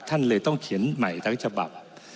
ท่านเลยต้องเขียนใหม่ทั้งฉบับ